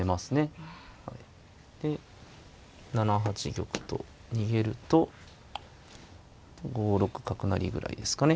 で７八玉と逃げると５六角成ぐらいですかね。